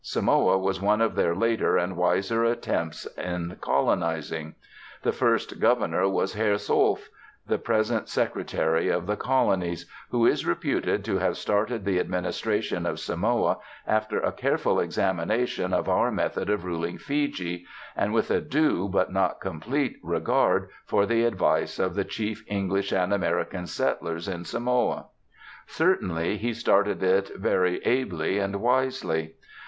Samoa was one of their later and wiser attempts in colonising. The first governor was Herr Solf, the present Secretary for the Colonies, who is reputed to have started the administration of Samoa after a careful examination of our method of ruling Fiji, and with a due, but not complete, regard for the advice of the chief English and American settlers in Samoa. Certainly he started it very ably and wisely.